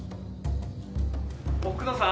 奥野さん。